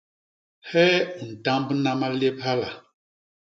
Hee u ntambna malép hala?